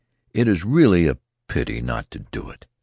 It is really a pity not to do it